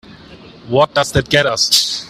What does that get us?